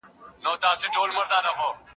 کتاب لوستل د ذهن د پراختيا سبب کيږي.